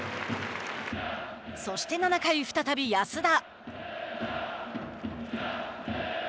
そして、７回再び安田。